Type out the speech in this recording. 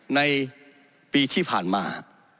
ในปีที่ผ่านมา